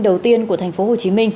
đầu tiên của tp hcm